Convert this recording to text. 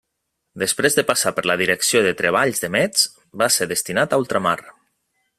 Després de passar per la Direcció de Treballs de Metz va ser destinat a ultramar.